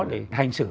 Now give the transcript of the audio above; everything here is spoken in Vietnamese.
để hành xử